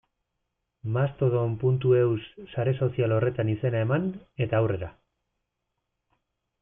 Mastodon.eus sare sozial horretan izena eman, eta aurrera.